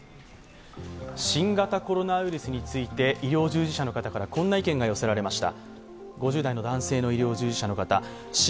新型コロナウイルスについて、医療従事者の方からこんな意見が寄せられました。